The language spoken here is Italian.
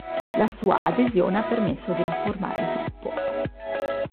La sua adesione ha permesso di riformare il gruppo.